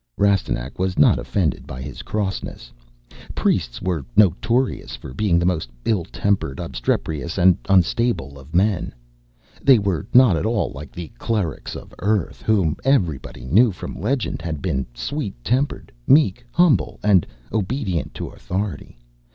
Rastignac was not offended by his crossness. Priests were notorious for being the most ill tempered, obstreperous, and unstable of men. They were not at all like the clerics of Earth, whom everybody knew from legend had been sweet tempered, meek, humble, and obedient to authority.